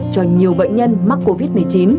cho nhiều bệnh nhân mắc covid